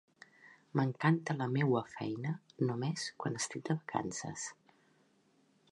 M'encanta la meua feina només quan estic de vacances.